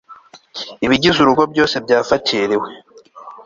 ibigize urugo byose byafatiriwe